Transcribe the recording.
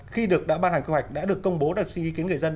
khi đã bán hoàn quy hoạch đã được công bố đã xin ý kiến người dân